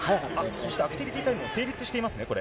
そしてアクティビティタイムが成立していますね、これ。